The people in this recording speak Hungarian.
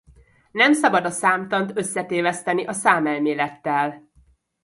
Nem szabad a számtant összetéveszteni a számelmélettel.